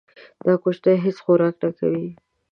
دا کوچنی هیڅ خوراک نه کوي.